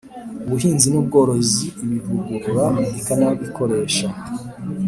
ubuhinzi n ubworozi ibivugurura ikanabikoresha